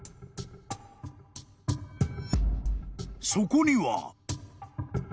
［そこには］